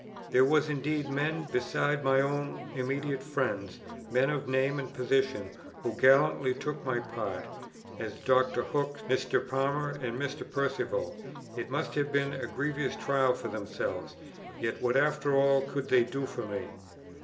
There were indeed men, besides my own immediate friends, men of name and position, who gallantly took my part, as Dr. Hook, Mr. Palmer, and Mr. Perceval; it must have been a grievous trial for themselves; yet what after all could they do for me?